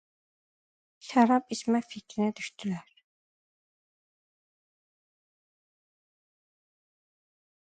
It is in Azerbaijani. Şərab içmək fikrinə düşdülər.